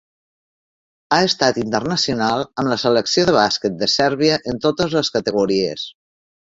Ha estat internacional amb la Selecció de bàsquet de Sèrbia en totes les categories.